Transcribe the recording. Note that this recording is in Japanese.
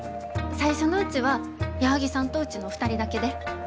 最初のうちは矢作さんとうちの２人だけで。